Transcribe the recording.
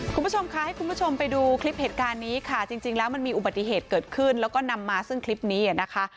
คุณผู้ชมค่ะให้คุณผู้ชมไปดูคลิปเหตุการณ์นี้ค่ะจริงแล้วมันมีอุบัติเหตุเกิดขึ้นแล้วก็นำมาซึ่งคลิปนี้นะคะ